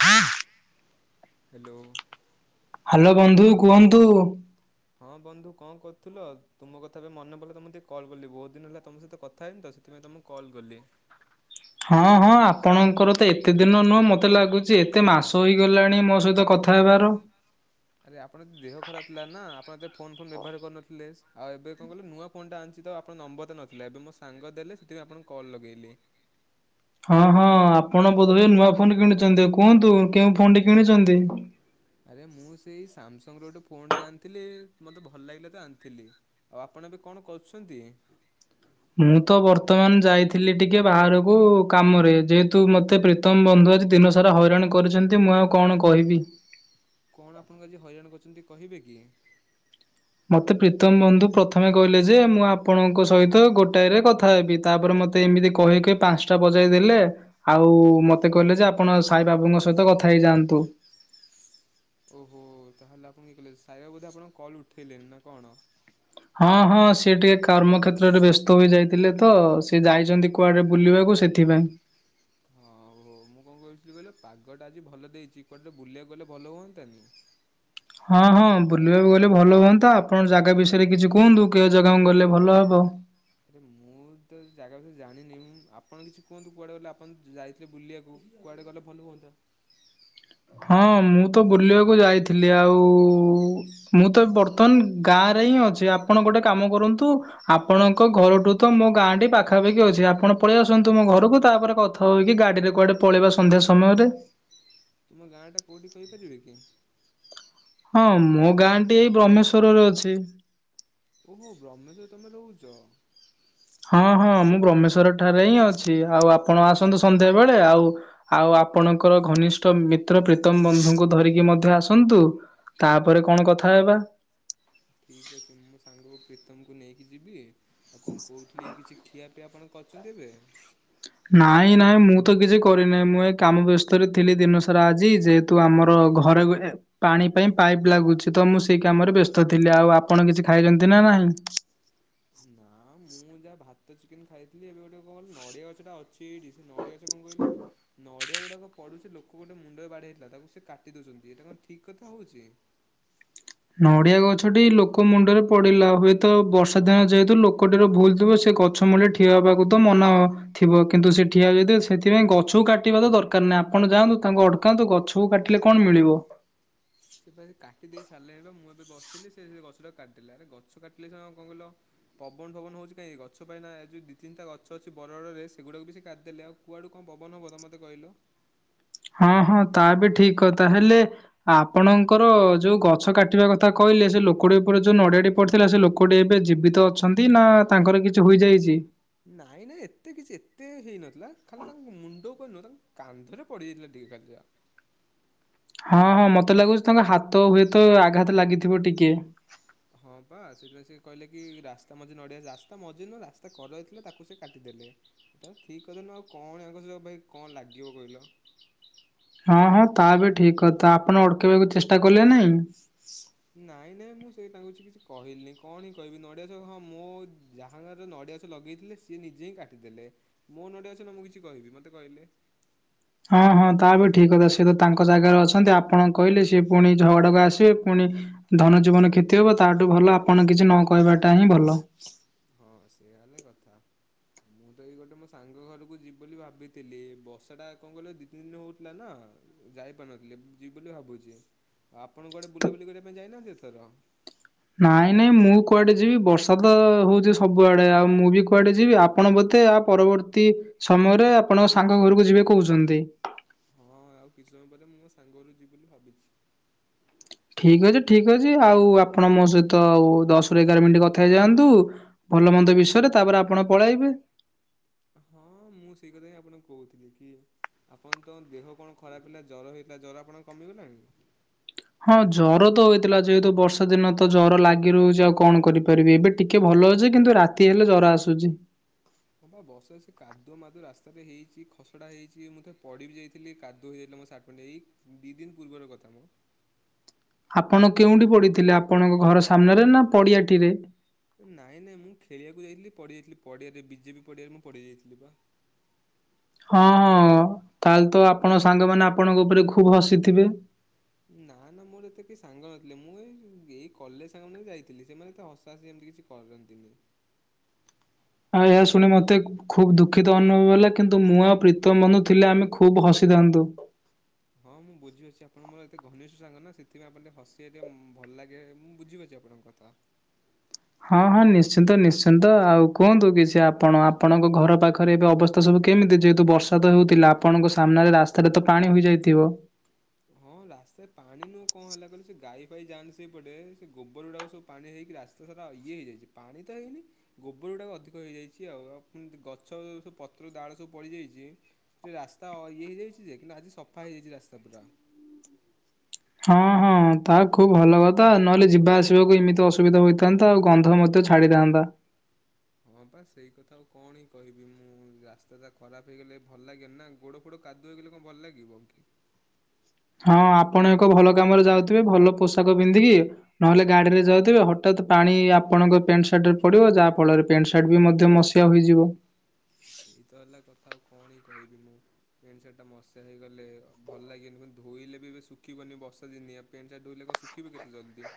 ହଁ [inaudible] hello. Hello ବନ୍ଧୁ କୁହନ୍ତୁ। ହଁ ବନ୍ଧୁ କଣ କରୁଥିଲ ତୁମ କଥା ଏବେ ମନେ ପଡିଲା ତ ମୁ ଟିକେ କଲ୍ କଲି ବହୁତ ଦିନ ହେଲା ତମ ସହିତ କଥା ହେଇନି ତ ସେଥିପାଇଁ ତମୁକୁ କଲ୍ କଲି। ହଁ ହଁ ଆପଣଙ୍କର ତ ଏତେ ଦିନ ନୁହଁ ମତେ ଲାଗୁଛି ଏତେ ମାସ ହେଇଗଲାଣି ମୋ ସହିତ କଥା ହେବାର। [unintelligible] ଆରେ ଆପଣ ଦେହ ଖରାପ ଥିଲା ନା ଆପଣ ଏତ ଫୋନ ଫୋନ ବ୍ୟବହାର କରିୁନଥିଲେ ଆଉ ଏବେ କଣ କଲେ ନୂଆ- ଫୋନ୍ଟା ଆଣିଛି ତ ଆପଣ ନମ୍ବରଟା ନଥିଲା ଏବେ ମୋ ସାଙ୍ଗ ଦେଲେ ସେଥିପାଇଁ ଆଣ କଲ୍ ଲଗେଇଲି। ହଁ ହଁ ଆପଣ ବୋଧେହୁଏ ନୂଆ ଫୋନ କିଣୁଛନ୍ତି କୁହନ୍ତୁ କେଉଁ ଫୋନ୍ଟି- [unintelligible] ଆରେ ମୁଁ ସେଇ ସାମସଙ୍ଗର ଗୋଟେ ଫୋନଟେ ଆଣିଥିଲି ମୋତେ ଭଲ ଲାଗିଲା ତ ଆଣିଥିଲି। ଆଉ ଆପଣ ବି କଣ କରୁଛନ୍ତି? ମୁଁ ତ ବର୍ତ୍ତମାନ ଯାଇଥିଲି ଟିକେ ବାହାରକୁ କାମରେ ଯେହେତୁ ମତେ ତମ ବନ୍ଧୁ ଆଜି ଦିନସାରା ହଇରାଣ କରିଛନ୍ତି ମୁଁ ଆଉ କଣ କହିବି। କଣ ଆପଣଙ୍କୁ ଆଜି ହଇରାାଣ କରଛନ୍ତି କହିବେ କି? ମୋତେ ପ୍ରୀତମ ବନ୍ଧୁ ପ୍ରଥମେ କହିଲେ ଯେ ମୁଁ ଆପଣଙ୍କ ସହିତ ଗୋଟାଏରେ କଥା ହେବି ତାପରେ ମତେ ତେ ଏମିତି କହି କହି ପାଞ୍ଚଟା ବଜାଇ ଦେଲେ। ଆଉ ମତେ କହିଲେ ଯେ ଆପଣ ସାଇ ବାବୁଙ୍କ ସହିତ କଥା ହେଇଯାଆନ୍ତୁ। ଓହୋ ତାହେଲେ ଆପଣ କିଏ କହିଲେ ସାଇଗା ବୋଧେ ଆପଣଙ୍କ କଲ୍ ଉଠେଇଲେ ନା କଣ? ହଁ ହଁ ସି ଟିକେ କର୍ମ ଖେତ୍ରରେ ବ୍ୟସ୍ତ ହୋଇ ଯାଇଥିଲେ ତ ସି ଯାଇଛନ୍ତି କୁଆଡ଼େ ବୁଲିବାକୁ ସେଥିପାଇଁ। ହଁ ହୋ ମୁଁ କଣ କହୁଥିଲି କହିଲେ ପାଗଟା ଆଜି ଭଲ ଦେଇଛି କୁଆଡେେ ବୁଲିବାକୁ ଗଲେ ଭଲ ହୁଅନ୍ତାନି। ହଁ ହଁ ବୁଲିବାକୁ ଗଲେ ଭଲ ହୁଅନ୍ତା ଆପଣଙ୍କ ଜାଗା ବିଷୟରେ କିଛି କୁହନ୍ତୁ? କେଉଁ ଜାଗାକୁ ଗଲେ ଭଲ ହବ? ଆରେ ମୁଁ ତ ଜାଗା ବିଷୟରେ ଜାଣିନି ମୁଁ ଆପଣ କିଛି କୁହନ୍ତୁ କୁଆଡ଼େ ଗଲେ ଆପଣ ଯାଇ ବୁଲିବାକୁ କୁଆଡ଼େ ଗଲେ ଭଲ ହୁଅନ୍ତା। ହଁ ମୁଁ ତ ବୁଲିବାକୁ ଯାଇଥିଲି। ଆଉ ମୁଁ ତ ବର୍ ତନ୍ ଗାଁ ରେ ହିଁ ଅଛି ଆପଣ ଗୋଟେ କାମ କରନ୍ତୁ। ଆପଣଙ୍କ ଘରଠୁ ତ ମୋ ଗାଁ ଟି ପାଖାପାଖି ଅଛି। ଆପଣ ପଳିଆସନ୍ତୁ ମୋ ଘରକୁ ତାପରେ କ ଥଇକି ଗାଡ଼ିରେ କୁଆଡ଼େ ପଳେଇବ ସନ୍ଧ୍ୟା ସମୟରେ। ତୁମ ଗାଁ ଟା କୋଉଠି କହିପାରିବେ କି? ହଁ ମୋ ଗାଁ ଟି ଏଇ ବ୍ରହ୍ମେଶ୍ଵରରେ ଅଛି। ଓ ହୋ ବ୍ରହ୍ମେଶ ରେ ତମେ ରୋହୁଚ। ହଁ ହଁ ମୁଁ ବ୍ରହ୍ମେଶ୍ଵର ଠାରେ ହିଁ ଅଛି। ଆଉ ଆପଣ ଆସନ୍ତୁ ସନ୍ଧ୍ୟାବେଳେ ଆଉ। ଆଉ ଆପଣଙ୍କର ଘନିଷ୍ଠ ମିତ୍ର ପ୍ରୀତମ୍ ବନ୍ଧୁଙ୍କୁ ଧରିକି ମଧ୍ୟ ଆସନ୍ତୁ। ତାପରେ କଣ କଥା ହେବା? ଠିକ୍ ଅଛି ମୁଁ ସାଙ୍ଗକୁ ପ୍ରୀତମ୍ କୁ ନେଇକି ଯିବି। ଆଉ କଣ କହୁଥିଲି କିଛି ଖିଆ ପିଆ ଆପଣ କରଛନ୍ତି ଏବେ। ନାଇଁ ନାଇଁ ମୁଁ ତ କିଛି କରିନାହିଁ। ମୁଁ ଏଇ କାମ ବ୍ୟସ୍ତରେ ଥିଲି ଦିନସାରା ଆଜି। ଜେ ତୁ ଆମର ଘରେ ଗୁ ଏ ପାଣି ପାଇଁ ପାଇପ୍ ଲାଗୁଛି ତ ମୁଁ ସେଇ କାମରେ ବ୍ୟସ୍ତ ଥିଲି ଆଉ ଆପଣ କିଛି ଖାଇଛନ୍ତି ନା ନାହିଁ। ନା ମୁଁ ଯାହା ଭାତ ଚିକେନ ଖାଇଥିଲି। ଏବେ ଗୋଟେ କଣ କହିଲୁ ନଡ଼ିଆ ଗଛ ଟା ଅଛି ହେଇଟି ସେ ନଡ଼ିଆ ଜ କଣ କହିଲ ନଡ଼ିଆ ଗୁଡ଼ାକ ପଡୁଛି ଲୋକ ଗୋଟେ ମୁଣ୍ଡ ରେ ବାଡ଼େଇ ହେଇଥିଲା। ତାକୁ ସେ କାଟି ଦୋଉଛନ୍ତି। ଏଟା କଣ ଠିକ୍ କଥା ହୋଉଚି? ନଡ଼ିଆ ଗଛଟି ଲୋକ ମୁଣ୍ଡରେ ପଡ଼ିଲା। ହୁଏତ ବର୍ଷା ଦିନ ଯେହେତୁ ଲୋକଟିର ଭୁଲ୍ ଥିବ। ସେ ଗଛ ମୂଳେ ଠି କ୍ଷ ହେବାକୁ ତ ମନ ଥିବ କିନ୍ତୁ ସେ ଠିଆ ଯଦି ହ ସେଥିପାଇଁ ଗଛକୁ କାଟିବା ତ ଦରକାର୍ ନାହିଁ। ଆପଣ ଯାଆନ୍ତୁ ତାଙ୍କୁ ଅଟକାନ୍ତୁ ଗଛ ସବୁ କାଟିଲେ କଣ ମିଳିବ? ସେ ପା ଏ କାଟିଦେଇ ସାରିଲେଣି ପା ମୁଁ ଏବେ ବସଥିଲି ସେ ସେଇ ଗଛଟାକୁ କାଟିଦେଲେ। ଆରେ ଗଛ କାଟିଲେ ସିନା କଣ କହିଲ? ପବନ ଫବନ ହୋଉଛି କାଇଁ ଗଛ ପା ଏଇନା ଯୋଉ ଦି ତିନିଟା ଗଛ ଅଛି ବରଳ ରେ ସେଗୁଡ଼ାକୁ ବି ସେ କାଟଦେଲେ। ଆଉ କୁଆଡୁ କଣ ପବନ ବର ମତେ କହିଲ? ହଁ ହଁ ତା ବି ଠିକ୍ କଥା ହେଲେ ଆପଣଙ୍କର ଯୋଉ ଗଛ କାଟିବା କଥା କହିଲେ ସେ ଲୋକଟି ଉପରେ ଯୋଉ ନଡ଼ିଆ ଟି ପଡ଼ିଥିଲା ସେ ଲୋକଟି ଏବେ ଜୀବିତ ଅଛନ୍ତି ନା ତାଙ୍କର କିଛି ହୋଇଯାଇଚି? ନାଇଁ ନାଇଁ ଏତେ କିଛି ଏତେ ହେଇନଥିଲା ଖାଲି ତାଙ୍କ ମୁଣ୍ଡ ଉପରେ ନୁହଁ ତାଙ୍କ କାନ୍ଧରେ ପଡ଼ି ଯାଇଥିଲା ଟିକେ ଖାଲି ଯା। ହଁ ହଁ ମତେ ଲାଗୁଚି ତାଙ୍କ ହାତ ହୁଏତ ଆଘାତ ଲାଗିଥିବ ଟିକେ। ହଁ ପା ସେଥିପାଇଁ ସେ କହିଲେ କି ରାସ୍ତା ମଝି ନଡ଼ିଆ ରାସ୍ତା ମଝି ନୁହଁ ରାସ୍ତା କରରେ ଥିଲା ତାକୁ ସେ କାଟିଦେଲେ। ଏତା ଥିକ୍ କଥା ନୁହଁ ଆଉ କଣ ୟାଙ୍କ ସହ ଭାଇ କଣ ଲାଗିବ କହିଲ? ହଁ ହଁ ତା ବି ଠିକ୍ କଥା ଆପଣ ଅଟକେଇବାକୁ ଚେଷ୍ଟା କଲେନେଇଁ ନାଇଁ ନାଇଁ ମୁଁ ସେଇ ତାଙ୍କୁ କିଛି କିଛି କହିଲିିନି, କଣ ହିଁ କହିବି ନଡ଼ିଆ ଗଛ ହଁ ମୋ ଯାହା ଘର ନଡ଼ିଆ ଗଛ ଲଗେଇଥିଲେ ସିଏ ନିଜେ ହିଁ କାଟିଦେଲେ। ମୋ ନଡ଼ିଆ ଗଛ ନା ମୁ କିଛି କହିବି ମତେ କହିଲେ? ହଁ ହଁ ତା ବି ଠିକ୍ କଥା ସେ ତ ତାଙ୍କ ଜାଗାରେ ଅଛନ୍ତି। ଆପଣ କହିଲେ ସିଏ ପୁଣି ଝଗଡ଼ା କୁ ଆସିବେ ପୁଣି ଧନ ଜୀବନ କ୍ଷତି ହବ ତାଠୁ ଭଲ ଆପଣ କିଛି ନ କହିବାଟା ହିଁ ଭଲ। ହଁ ସେଇଆ ହେଲା କଥା। ମୁଁ ତ ଏଇ ଗୋଟେ ମୋ ସାଙ୍ଗ ଘରକୁ ଯିବି ବୋଲି ଭାବିଥିଲି ବସା ଟା କଣ କହିଲ ଦି ତିନି ଦିନ ହଉଥିଲା ନା ଯାଇପାରୁନଥିଲି ଏ ଯିବି ବୋଲି ଭାବୁଚି। ଆପଣ କୁଆଡ଼େ ତ ବୁଲା ବୁଲି କରିବାପାଇଁ ଯାଇନାହାନ୍ତି ଏଥର? ନାଇଁ ନାଇଁ ମୁଁ କୁଆଡ଼େ ଯିବି ବର୍ଷା ତ ହୋଉଚି ସବୁଆଡ଼େ ଆଉ ମୁଁ ବି କୁଆଡ଼େ ଯିବି ଆ ଆପଣ ବୋଧେ ଆ ପରବର୍ତ୍ତୀ ସମୟରେ ଆପଣଙ୍କ ସାଙ୍ଗ ଘରକୁ ଯିବେ କହୁଚନ୍ତି। ହଁ ଆଉ କିଛି ସମୟ ପରେ ମୁଁ ମୋ ସାଙ୍ଗରୁ ଯିବି ବୋଲି ଭାବିଚି। ଠିକ୍ ଅଛି ଠିକ୍ ଅଛି ଆଉ ଆପଣ ମୋ ସହିତ ଆଉ ଦଶ୍ ରୁ ଏଗାର ମିନିଟ୍ କଥା ହେଇଯାଆନ୍ତୁ ଭଲ ମନ୍ଦ ବିଷୟରେ ତାପରେ ଆପଣ ପଳାଇବେ। ହଁ ମୁ ସେଇ କଥା ହିଁ ଆପଣକୁ କୋହୁଥିଲି କି ଆପଣ ତ ଦେହ କଣ ଖରାପ ଥିଲା ଜର ହେଇଥିଲା। ଜର ଆପଣଙ୍କ କମିଗଲାଣି? ହଁ ଜର ତ ହୋଇଥିଲା ଯେହେତୁ ବର୍ଷା ଦିନ ତ ଜର ଲାଗି ରହୁଚି ଆଉ କଣ କରିପାରିବି ଏବେ ଟିକେ ଭଲ ଅଛି କିନ୍ତୁ ରାତି ହେଲେ ଜ୍ୱର ଆସୁଚି। ହଁ ବା ବର୍ଷେ ସେ କାଦୁ ମାଦୁ ରାସ୍ତାରେ ହେଇଚି ଖସଡ଼ା ହେଇଚି ମୁଁ ତ ପଡିିବି ଯାଇଥିଲି କାଦୁ ହେଇଯାଇଥିଲା ମୋ ସାର୍ଟ ପ୍ୟାଣ୍ଟ ଏଇ ଦୁଇ ଦିନ ପୂର୍ବର କଥା ମ ଆପଣ କେଉଁଠି ପଡ଼ିଥିଲେ ଆପଣଙ୍କ ଘର ସାମ୍ନାରେ ନା ପଡ଼ିଆଟିରେ? ନାଇଁ ନାଇଁ ମୁଁ ଖେଳିବାକୁ ଯାଇଥିଲି ପଡି ଯାଇଥିଲି ପଡିଆରେ ବିଜେପି ପଡିଆରେ ମୁଁ ପଡିଆ ରେ ମୁଁ ପଡି ଯାଇଥିଲି ବା। ହଁ ହଁ ତାହେଲେ ତ ଆପଣ ସାଙ୍ଗମାନେ ଆପଣଙ୍କ ଉପରେ ଖୁବ ହସିଥିବେ? ନା ନା ମୋର ଏତେ କି ସାଙ୍ଗ ନଥିଲେ ମୁଁ ଏଇ ଏଇ କଲେଜ ସାଙ୍ଗ ମାନ ଯାଇଥିଲି ସେମାନେ ଏତେ ହସା ହସି ହେମତି କିଛି କରନ୍ତିନି। ଆ ଏହା ଶୁଣି ମତେ ଖୁବ ଦୁଃଖିତ ଅନୁଭବ ହେଲା। କିନ୍ତୁ ମୁଁ ଆଉ ପ୍ରୀତମ ବନ୍ଧୁ ଥିଲେ ଆମେ ଖୁବ ହସିଥାନ୍ତୁ। ହଁ ମୁଁ ବୁଝିପାରୁଚି ଆପଣ ମୋର ଏତେ ଘନିଷ୍ଠ ସାଙ୍ଗ ନା ସେଥିପାଇଁ ଆପଣ ଟିକେ ହସିଆ ଟିକ ଭଲ ଲାଗେ ମୁଁ ବୁଝିପାରୁଚି ଆପଣ ଙ୍କ କଥା। ହଁ ହଁ ନିଶ୍ଚିନ୍ତ ନିଶ୍ଚିନ୍ତ ଆଉ କୁହନ୍ତୁ କିଛି ଆପଣ ଆପଣଙ୍କ ଘର ପାଖରେ ଏବେ ଅବସ୍ ତା ସବୁ କେମିତି ଯେହେତୁ ବର୍ଷା ତ ହେଉଥିଲା ଆପଣଙ୍କ ସାମ୍ନାରେ ରାସ୍ତାରେ ତ ପାଣି ହୋଇଯାଇଥିବ? ହଁ ରାସ୍ତା ରେ ପାଣି ନୁହଁ କଣ ହେଲା କହିଲ ସେ ଗାଈ ଫାଇ ଯାନ୍ତି ସେଇପଟେ ସେ ଗୋବର ଗୁଡାକ ସବୁ ପାଣି ହେଇକି ରାସ୍ ତା ସାରା ଇଏ ହେଇଯାଇଚି ପାଣି ତ ହେଇନି ଗୋବର ଗୁଡାକ ଅଧିକ ହେଇଯାଇଛଚି ଆଉ। ଆଉ ପୁଣି ଗଛ ସବୁ ପତ୍ର ଦାଳ ସବୁ ପଡିଯାଇଚି ସେ ରାସ୍ତା ଇଏ ହେଇଯାଇଛି ଯେ କିନ୍ତୁ ଆଜି ସଫା ହେଇଯାଇଚି ରାସ୍ତା ପୁରା। ହଁ ହଁ ତାହା ଖୁବ ଭଲ କଥା ନହେଲେ ଯିବା ଆସିବାକୁ ଏମିତି ଅସୁବିଧା ହୋଇ ଥାନ୍ତା ଆଉ ଗନ୍ଧ ମଧ୍ୟ ଛାଡିଥାନ୍ତା। ହଁ ପା ସେଇ କଥା ଆଉ କଣ ହିଁ କହିବି ମୁଁ ରାସ୍ତାଟା ଖରାପ ହେଇଗଲେ ଭଲ ଲାଗେନି ନା ଗୋଡ ଫୋଟ କାଦୁଅ ହେଇଗଲେ କଣ ଭଲ ଲାଗିବ କି? ହଁ ଆପଣ ଏକ ଭଲ କାମରେ ଯାଉଥିବେ ଭଲ ପୋଷାକ ପିନ୍ଧିକି ନହେଲେ ଗାଡି ରେ ଯାଉଥିବେ ହଠାତ୍ ପାଣି ଆପଣଙ୍କ ପ୍ୟାଣ୍ଟ ସାର୍ଟ ରେ ପଡିବ ଯାହା ଫଳରେ ପ୍ୟାଣ୍ଟ ସାର୍ଟ ବି ମଧ୍ୟ ମସ [unintelligible] ଯିବ। ସେଇତ ହେଲା କଥା ଆଉ କଣ ହ କହିବି ମୁଁ। ପେଣ୍ଟ ସାର୍ଟା ମଶା ହେଇଗଲେ ଭଲ ଲାଗେନି ଧୋଇଲେ ବି ଏବେ ଶୁକିବନି ବର୍ଷାଦିନିଆ ଆଉ ପେଣ୍ଟ ସାର୍ଟ ଧୋଇଲେ କଣ ଶୁଖିବ କେତେ ଜଲ୍ଦି?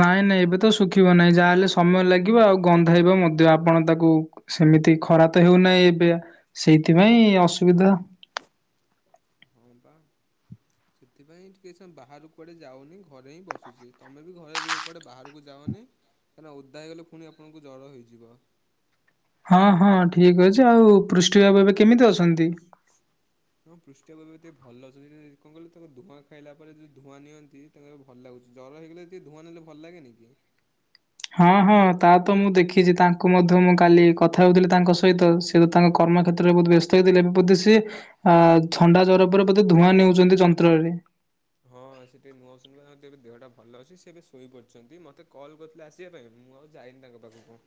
ନାଇଁ ନାଇଁ ଏବେ ତ ଶୁଖିବ ନାହିଁ। ଯାହାହେଲେ ସମୟ ଲାଗିବ ଆଉ ଗନ୍ଧାଇବ। ମଧ୍ୟ ଆପଣ ତାକୁ ସେମିତି ଖରା ତ ହେଉନାହିଁ ଏବେ ସେଇଥିପାଇଁ ଅସୁବିଧା। ହଁ ବା। ସେଥିପାଇଁ ଟିକେ ସମୟ ବାହାରକୁ କୁଆଡ଼େ ଯାଉନି ଘରେ ହିଁ ବସୁଛି। ତମେ ବି ଘରେ ରୁହ କୁଆଡ଼େ ବାହାରକୁ ଯାଓନି। କାହିଁକିନା ଓଦାଇଗଲେ ପୁଣି ଆପଣଙ୍କୁ ଜର ହେଇଯିବ। ହଁ ହଁ ଠିକ୍ ଅଛି। ଆଉ ପୃଷ୍ଟିବାବୁ ଏବେ କେମିତି ଅଛନ୍ତି? ହଁ ପୃଷ୍ଠିବାବୁ ଏବେ ଭଲ ଅଛନ୍ତି। କଣ କହିଲ ତାଙ୍କ ଧୂଆଁ ଖାଇଲା ପରେ ଯୋଉ ଧୂଆଁ ନିଅନ୍ତି। ତାଙ୍କୁ ଭଲ ଲାଗୁଛି। ଜର ହେଇଗଲେ ଟିକଏ ଧୂଆ ନେଲେ ଭଲ ଲାଗେନ କି? ହଁ ହଁ ତା ତ ମୁଁ ଦେଖିଛି ତାଙ୍କୁ ମଧ୍ୟ ମୁଁ କାଲି କଥା ହଉଥିଲି ତାଙ୍କ ସହିତ। ସେ ସେ ତ ତାଙ୍କ କର୍ମ କ୍ଷେତ୍ରରେ ବହୁତ ବ୍ୟସ୍ତ ହେଇଥିଲେ। ଏବେ ବୋଧେ ସିଏ ଅ ଥଣ୍ଡା ଜ୍ୱର ଉପରେ ବୋଧେ ଧୂଆଁ ନେଉଛନ୍ତି ଯନ୍ତ୍ରରେ। ହଁ ସେ ଟିକେ ନଊଛନ୍ତି ଏବେ ଦେହଟା ଭଲ ଅଛି। ସେ ଏବେ ଶୋଇପାରୁଛନ୍ତି ମତେ କଲ୍ କରି ଆସିବା ପାଇଁ ମୁଁ ଆଉ ଯାଇନି ତାଙ୍କ ପାଖକୁ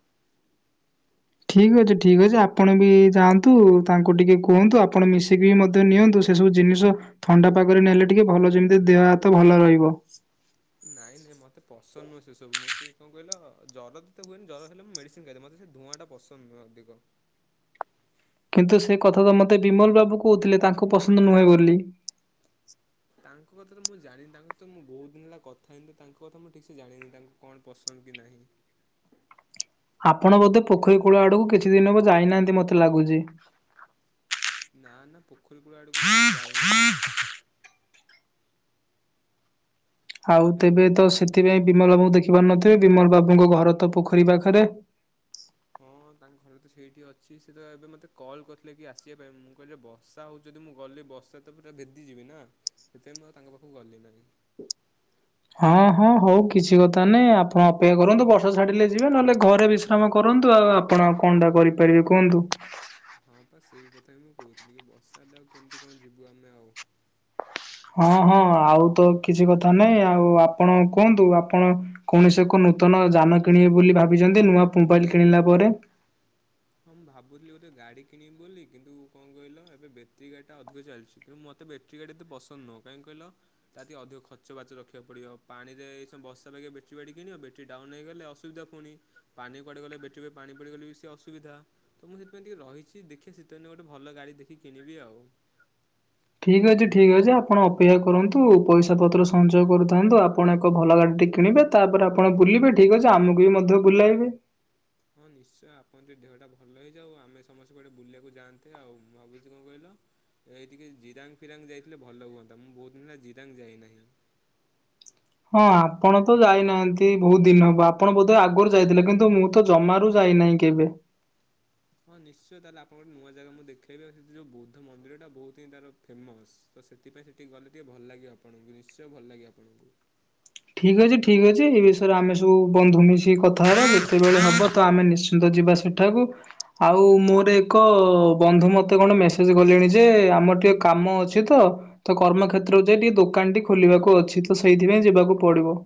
ଠିକ୍ ଅଛି ଠିକ୍ ଅଛି ଆପଣ ବି ଯାଆନ୍ତୁ ତାଙ୍କୁ ଟିକେ କୁହନ୍ତୁ ଆପଣ ମିଶିକି ବି ମଧ୍ୟ ନିଅନ୍ତୁ। ସେ ସବୁ ଜିନିଷ ଥଣ୍ଡା ପାଗରେ ନେଲେ ଟିକେ ଭଲ ଯେମିତି ଦେହ ହାତ ଭଲ ରହିବ। ନାଇଁ ନାଇଁ ମତେ ପସନ୍ଦ ନୁହଁ। ସେ ସବୁ ମୁଁ ଟିକେ କଣ କହିଲ ଜର ତ ହୁଏନି। ଜର ହେଲେ ମୁ ମେସିନ ଖାଇଦେ। ମୋତେ ସେ ଧୂଆଁ ଟା ପସନ୍ଦ ନୁହଁ ଅଧିକ। କିନ୍ତୁ ସେ କଥା ତ ମୋତେ ବିମଲ ବାବୁ କହୁଥିଲେ ତାଙ୍କୁ ପସନ୍ଦ ନୁହେଁ ବୋଲି। ତାଙ୍କ କଥା ତ ମୁଁ ଜାଣିନି ତାଙ୍କର ତ ମୁଁ ବହୁତ ଦିନ ହେଲା କଥା ହେଇନି ତ ତାଙ୍କ କଥା ମୁଁ ଠିକ ସେ ଜାଣିନି ତାଙ୍କୁ। କଣ ପସନ୍ଦ କି ନାହିଁ? ଆପଣ ବୋଧେ ପୋଖରୀ କୂଳ ଆଡକୁ କିଛି ଦିନ ହେବ ଯାଇନାହାନ୍ତି ମୋତେ ଲାଗୁଛି। ନା ନା ପୋଖରୀ କୂଳ ଆଡ଼କୁ ମୁଁ ଯାଉନି ପା। ଆଉ ହ୍ୟାଲୋ। ତେବେ ତ ସେଥିପାଇଁ ବିମଲ ବାବୁଙ୍କୁ ଦେଖିପାରୁନଥିବେ, ବିମଲ ବାବୁଙ୍କ ଘର ତ ପୋଖରୀ ପାଖରେ। ହଁ ତାଙ୍କ ଘରେ ତ ସେଇଠି ଅଛି। ସେ ତ ଏବେ ମୋତେ କଲ୍ କରିଥିଲେ କି ଆସିବା ପାଇଁ। ମୁଁ କହିଲି ବ ବର୍ଷା ହେଉଛି ମୁଁ ଯଦି ଗଲି ବର୍ଷେ ତ ପୁରା ଭେଦିଯିବି ନା ସେଥିପାଇଁ ମୁଁ ତାଙ୍କ ପାଖକୁ ଗଲି ନାହିଁ। ହଁ ହଁ ହଉ କିଛି କଥା ନାହିଁ, ଆପଣ ଅପେକ୍ଷା କରନ୍ତୁ, ବର୍ଷା ଛାଡିଲେ ଯିବେ ନହେଲେ ଘରେ ବି କାମ କରନ୍ତୁ ଆଉ ଆପଣ କଣ ଟା କରିପାରିବେ କୁହନ୍ତୁ। ହଁ ପା ସେଇ କଥା ହିଁ ମୁଁ କହୁଥିଲି କି ବର୍ଷା ହେଲେ ଆଉ କେମିତି କଣ ଯିବୁ ଆମେ ଆଉ? ହଁ ହଁ ଆଉ ତ କିଛି କଥା ନାହିଁ ଆଉ ଆପଣ କୁହନ୍ତୁ ଆପଣ କୌଣସି ଏକ ନୂତନ ଯାନ କିଣିବବି ବୋଲି ଭାବିଛନ୍ତି, ନୂଆ ମୋବାଇଲ କିଣିଲା ପରେ? ହଁ ମୁଁ ଭାବୁଥିଲି ଗୋଟେ ଗାଡ଼ି କିଣିବି ବୋଲି କିନ୍ତୁ କଣ କହିଲ ଏବେ ବେତେରୀ ଗାଡ଼ିଟା ଅଧିକ ଚାଲିଛି। କିନୁ ମୋତେ ବେଟିରି ଗାଡ଼ି ଏତେ ପସନ୍ଦ ନୁହଁ କାଇଁ କହିଲ? ତା ଟିକେ ଅଧିକ ଖର୍ଚ୍ଚ ବାର୍ଚ୍ଚ ରଖିବାକୁ ପଡିବ। ପାଣିରେ ଏଇ ବର୍ଷା ପାଗେ ବେଟ୍ରି ବାଡି କିଣିବ ବେଟ୍ରି ଡାଉନ ହେଇଗଲେ ଅସୁବିଧା ପୁଣି, ପାଣି କୁଆଡେ ଗଲେ ବେଟ୍ରି ରେ ପାଣି ପଡିଗଲେ ବି ସେ ଅ ଅସୁବିଧା। ତ ମୁଁ ସେଥିପାଇଁ ଟିକେ ରହିଛି ଦେଖେ ଶୀତଦିନେ ଗୋଟେ ଭଲ ଗାଡ଼ି ଦେଖି କିଣିବି ଆଉ। ଠିକ୍ ଅଛି ଠିକ୍ ଅଛି ଆପଣ ଅପେକ୍ଷା କରନ୍ତୁ, ପଇସା ପତ୍ର ସଞ୍ଚୟ କରୁଥାନ୍ତୁ, ଆପଣ ଏକ ଭଲ ଗାଡ଼ିଟେ କିଣିବେ। ତାପରେ ଆପଣ ବୁଲିବେ। ଠିକ ଅଛି ଆମକୁ ବି ମଧ୍ୟ ବୁଲାଇବେ। ହଁ ନିଶ୍ଚୟ। ଆପଣଙ୍କ ଟିକେ ଦେହଟା ଭଲ ହେଇଯାଉ। ଆମେ ସମସ୍ତେ କୁଆଡେ ବୁଲିବାକୁ ଯାଆନ୍ତେ ଆଉ। ମା ଭାବୁଛି କଣ କହିଲ? ଏଇ ଟିକେ ଜିରାଙ୍ଗ ଫିରାଙ୍ଗ ଯାଇଥିଲେ ଭଲ ହୁଅନ୍ତା, ମୁଁ ବହୁତ ଦିନ ହେଲା ଜିରାଙ୍ଗ ଯାଇନାହିଁ। ହଁ ଆପଣ ତ ଯାଇନାହାନ୍ତି ବହୁତ ଦିନ ହବ ଆପଣ ବୋଧେ ଆଗରୁ ଯାଇଥିଲେ। କିନ୍ତୁ ମୁଁ ମୁଁ ତ ଜମାରୁ ଯାଇନାହିଁ କେବେ। ହଁ ନିଶ୍ଚୟ ତାହେଲେ ଆପଣଙ୍କୁ ଗୋଟେ ନୂଆ ଜାଗା ମୁଁ ଦେଖେଇବି, ଆଉ ସେଠି ଯୋଉ ବୌଦ୍ଧ ମନ୍ଦିରଟା ବହୁତ ହିଁ ତାର। ଫେମସ୍, ତ ସେଥିପାଇଁ ସେଠିକି ଗଲେ ଟିକେ ଭଲ ଲାଗିବ ଆପଣଙ୍କୁ, ନିଶ୍ଚୟ ଭଲ ଲାଗିବ ଆପଣଙ୍କୁ। ଠିକ୍ ଅଛି ଠିକ୍ ଅଛି, ଏ ବିଷୟରେ ଆମେ ସବୁ ବନ୍ଧୁ ମିଶିକି କଥା ହେବା, ଯେତେବେଳେ ହବ ତ ଆମେ ନିଶ୍ଚିନ୍ତ ଯିବା ସେଠି। ଥାକୁ। ଆଉ ମୋର ଏକ ବନ୍ଧୁ ମତେ କଣ ମେସେଜ କଲେଣି ଯେ ଆମର ଟିକେ କାମ ଅଛି ତ। ତ କର୍ମକ୍ଷେତ୍ରକୁ ଯାଇ ଟିକେ ଦୋକାନ ଟି ଖୋଲି ବାକୁ ଅଛି, ତ ସେଇଥି ପାଇଁ ଯିବାକୁ ପଡିବ।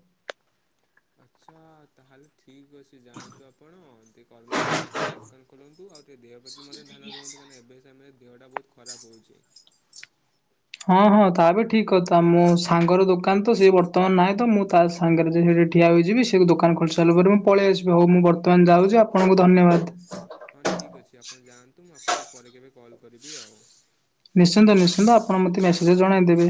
ଆଚ୍ଛା ତାହେଲେ ଠିକ୍ ଅଛି ଯାଆନ୍ତୁ ଆପଣ, ଟିକେ କର୍ମକ୍ଷେତ୍ରରେ ଆପଣ ଟିକେ ଦୋକାନ ଖୋ ଖୋଲନ୍ତୁ, ଆଉ ଟିକେ ଦେହ ପ୍ରତି ମଧ୍ୟ ଧ୍ୟାନ ରୁହନ୍ତୁ, କାଇଁନା ଏବେ ସେମୟେ ରେ ଦେହଟା ବହୁତ ଖରାପ ହଉଛି। ହଁ ହଁ ତା ବି ଠିକ କଥା, ମୋ ସାଙ୍ଗର ଦୋକାନ ତ ସିଏ ବର୍ତ୍ତମାନ ନାହିଁ ତ ମୁଁ ତାସ ସାଙ୍ଗରେ ଯାଇ ସେଇଠି ଠିଆ ହୋଇଯିବି, ସେ ସାଙ୍ଗେ ରେ ଜାଇ ହେଠି ଠିଆ ହୋଇଯିବି ସେ ଦୋକାନ ଖୋଲି ସାରିଲା ପରେ ମୁଁ ପଳେଇ ଆସିବି। ହଉ ମୁଁ ବର୍ତ୍ତମାନ ଯାଉଛି, ଆପଣଙ୍କୁ ଧନ୍ୟବାଦ। ହଁ ଠିକ୍ ଅଛି ଆପଣ ଯାଆନ୍ତୁ ମୁଁ ଆପଣଙ୍କୁ ପରେ କେବେ କଲ୍ କରିବି ଆଉ। ନିଶ୍ଚିନ୍ତ ନିଶ୍ଚିନ୍ତ, ଆପଣ ମୋତେ ମେସେଜେ ରେ ଜଣାଇ ଦେବେ।